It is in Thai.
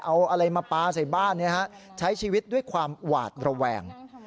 เอาอะไรมาปลาใส่บ้านใช้ชีวิตด้วยความหวาดระแวง